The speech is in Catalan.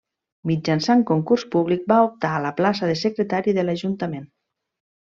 Mitjançant concurs públic va optar a la plaça de secretari de l'ajuntament.